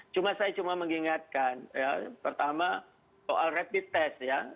cuma saya cuma mengingatkan pertama soal rapid test ya